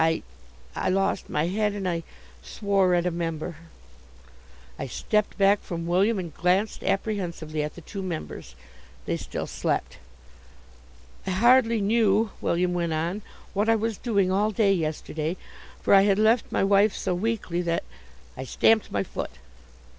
I I lost my head and I swore at a member." I stepped back from William, and glanced apprehensively at the two members. They still slept. "I hardly knew," William went on, "what I was doing all day yesterday, for I had left my wife so weakly that " I stamped my foot.